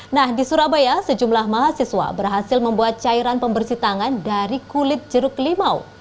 nah di surabaya sejumlah mahasiswa berhasil membuat cairan pembersih tangan dari kulit jeruk limau